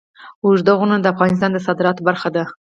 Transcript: اوږده غرونه د افغانستان د صادراتو برخه ده.